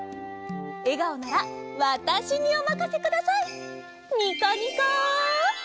えがおならわたしにおまかせください！